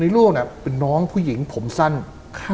ในรูปน่ะเป็นน้องผู้หญิงผมสั้นค่ะ